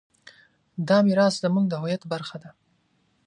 دا میراث زموږ د هویت برخه ده.